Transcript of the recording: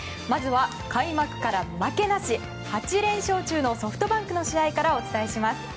まずは開幕から負けなし８連勝中のソフトバンクの試合からお伝えします。